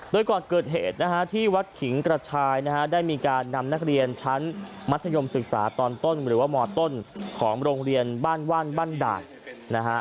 โดยก่อนเกิดเหตุนะฮะที่วัดขิงกระชายนะฮะได้มีการนำนักเรียนชั้นมัธยมศึกษาตอนต้นหรือว่ามต้นของโรงเรียนบ้านว่านบ้านด่านนะฮะ